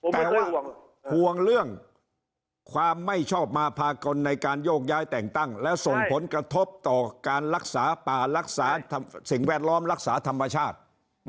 แต่ว่าห่วงเรื่องความไม่ชอบมาพากลในการโยกย้ายแต่งตั้งแล้วส่งผลกระทบต่อการรักษาป่ารักษาสิ่งแวดล้อมรักษาธรรมชาติ